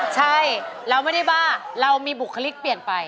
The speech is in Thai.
ใช่เราไม่ได้บ้าเรามีบุคลิกเปลี่ยนไป